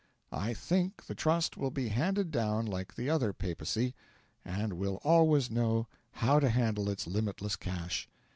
I think the Trust will be handed down like the other papacy, and will always know how to handle its limitless cash.